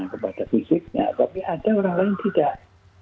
kepada fisiknya tapi ada orang lain tidak